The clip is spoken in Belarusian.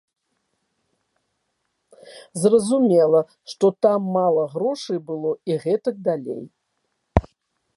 Зразумела, што там мала грошай было і гэтак далей.